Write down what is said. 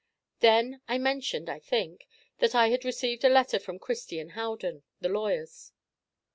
Then I mentioned, I think, that I had received a letter from Christie & Howden, the lawyers.